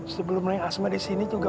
sebelumnya asma disini juga